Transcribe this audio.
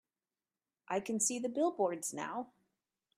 I can see the billboards now.